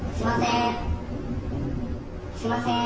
すみません。